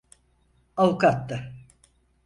Avukattı.